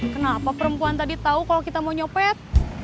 kenapa perempuan tadi tau kalo kita mau nyopet